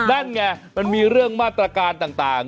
นั่นไงมันมีเรื่องมาตรการต่าง